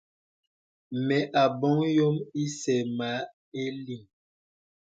Mə̀ abɔ̀ŋ yɔ̀m ìsɛ̂ mə a lìŋ.